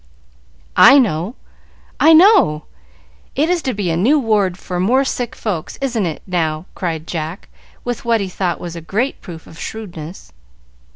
"I know! I know! It is to be a new ward for more sick folks, isn't it, now?" cried Jack, with what he thought a great proof of shrewdness.